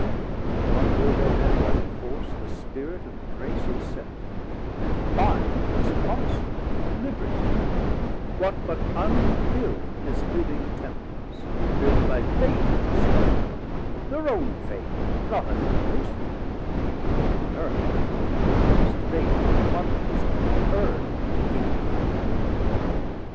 What will they then But force the Spirit of Grace it self, and binde His consort Libertie; what, but unbuild His living Temples, built by Faith to stand, Thir own Faith not anothers: for on Earth Who against Faith and Conscience can be heard Infallible?